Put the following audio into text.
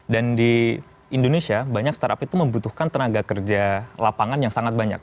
dan di indonesia banyak startup itu membutuhkan tenaga kerja lapangan yang sangat banyak